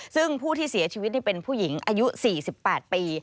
ซึ่งผู้ที่เสียชีวิตนี่เป็นผู้หญิงอายุ๔๘ปี